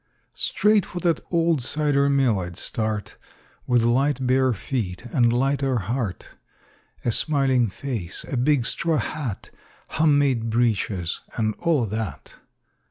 Straight for that old cider mill I'd start, With light bare feet and lighter heart, A smiling face, a big straw hat, Hum made breeches and all o' that.